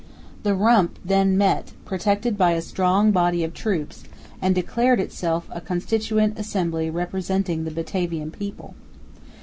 The "Rump" then met, protected by a strong body of troops, and declared itself a Constituent Assembly representing the Batavian people.